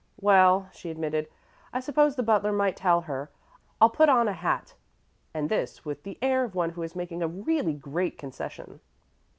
"Well," she admitted, "I suppose the butler might tell her. I'll put on a hat" this with the air of one who is making a really great concession.